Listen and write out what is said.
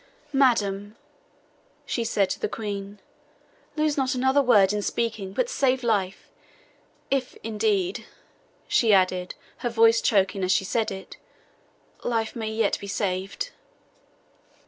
"Madam," she said to the Queen, "lose not another word in speaking, but save life if, indeed," she added, her voice choking as she said it, "life may yet be saved."